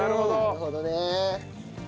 なるほどね。